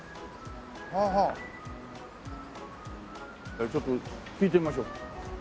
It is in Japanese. じゃあちょっと聞いてみましょうか。